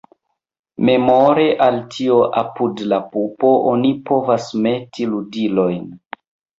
Memore al tio apud la pupo oni povas meti ludilojn.